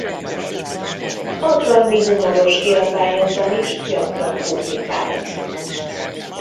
Alkalmi humoros kiadványokban is gyakran publikált.